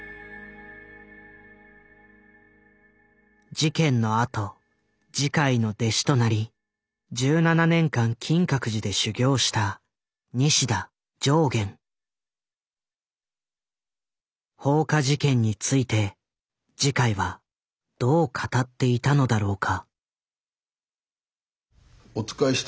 事件のあと慈海の弟子となり１７年間金閣寺で修行した放火事件について慈海はどう語っていたのだろうか。